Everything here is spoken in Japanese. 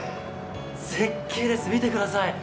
絶景です、見てください。